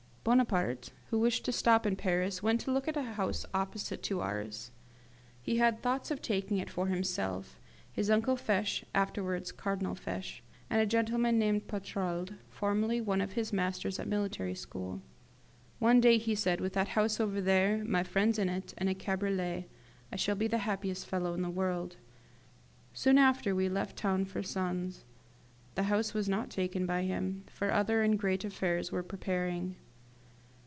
Bonaparte, who wished to stop in Paris, went to look at a house opposite to ours. He had thoughts of taking it for himself, his uncle Fesch (afterwards Cardinal Fesch), and a gentleman named Patrauld, formerly one of his masters at the Military School. One day he said, "With that house over there, my friends in it, and a cabriolet, I shall be the happiest fellow in the world." We soon after left town for Sens. The house was not taken by him, for other and great affairs were preparing.